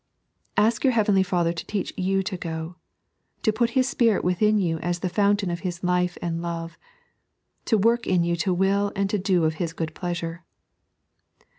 Ask your Heavenly Father to teach you to go ; to put His Spirit within you as the foimtain of His life and love ; to work in you to will and to do of His good pleasure.